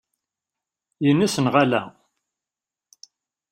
Ines neɣ ala?